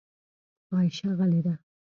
عایشه غلې ده .